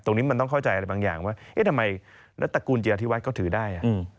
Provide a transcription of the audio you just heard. ตรงนี้มันต้องเข้าใจบางอย่างว่าทำไมตระกูลเจียราธิวัฒน์ก็ถือได้